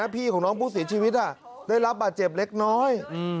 พี่น้องผู้เสียชีวิตได้รับบาดเจ็บเล็กน้อย